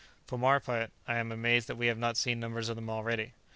for my part, I am amazed that we have not seen numbers of them already."